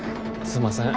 すんません。